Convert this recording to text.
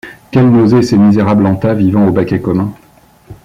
Quelle nausée, ces misérables en tas, vivant au baquet commun!